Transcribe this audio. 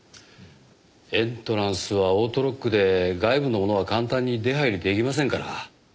エントランスはオートロックで外部の者は簡単に出入り出来ませんから。